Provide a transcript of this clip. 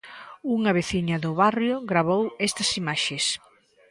Unha veciña do barrio gravou estas imaxes.